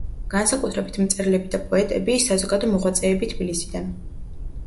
განსაკუთრებით მწერლები და პოეტები, საზოგადო მოღვაწეები თბილისიდან.